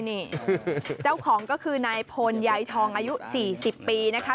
นี่เจ้าของก็คือนายพลยายทองอายุ๔๐ปีนะคะ